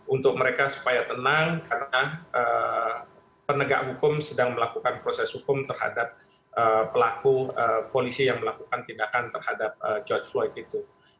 untuk mereka supaya tenang karena penegak hukum sedang melakukan proses hukum terhadap pelaku polisi yang melakukan tindakan terhadap george floyd itu